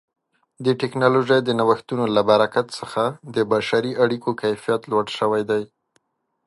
د ټکنالوژۍ د نوښتونو له برکت څخه د بشري اړیکو کیفیت لوړ شوی دی.